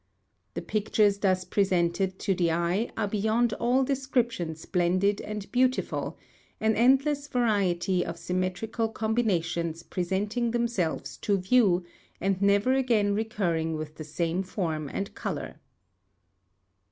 The pictures thus pre sented to the eye are beyond all description splendid and beautiful ; an endless variety of symmetrical combina tions presenting themselves to view, and never again recurring with the same form and colour.